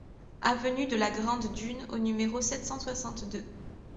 Avenue de la Grande Dune au numéro sept cent soixante-deux